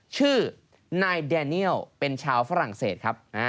ชื่อนายแดเนียลเป็นชาวฝรั่งเศสครับ